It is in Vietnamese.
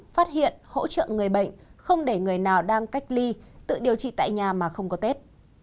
phát hiện hỗ trợ người bệnh không để người nào đang cách ly tự điều trị tại nhà mà không có tết